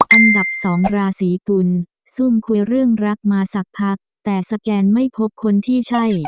อันดับสองราศีกุลซุ่มคุยเรื่องรักมาสักพักแต่สแกนไม่พบคนที่ใช่